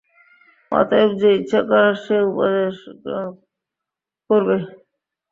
অতএব যে ইচ্ছে করবে সে উপদেশ গ্রহণ করবে।